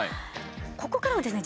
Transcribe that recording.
ここからはですね